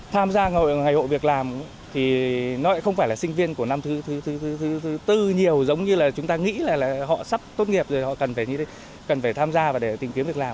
tham gia ngày hội việc làm thì nó lại không phải là sinh viên của năm thứ tư nhiều giống như là chúng ta nghĩ là họ sắp tốt nghiệp rồi họ cần phải cần phải tham gia và để tìm kiếm việc làm